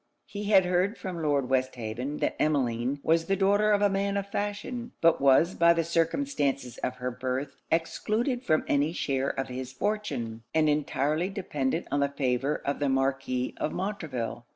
He had heard from Lord Westhaven that Emmeline was the daughter of a man of fashion, but was by the circumstances of her birth excluded from any share of his fortune, and entirely dependant on the favour of the Marquis of Montreville.